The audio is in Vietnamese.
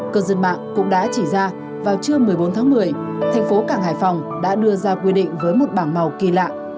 cơ dân mạng cũng đã chỉ ra vào trưa một mươi bốn tháng một mươi thành phố cảng hải phòng đã đưa ra quy định với một bảng màu kỳ lạ